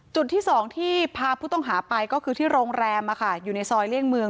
จุดที่๒ที่พาผู้ต้องหาไปก็คือที่โรงแรมอยู่ในซอยเลี่ยงเมือง